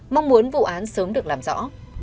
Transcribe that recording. mong muốn vụ án sớm được làm rõ